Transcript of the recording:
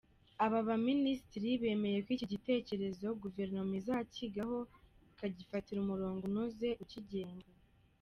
Aba baminisitiri bemeye ko iki gitekerezo Guverinoma izacyigaho ikagifatira umurongo unoze ukigenga.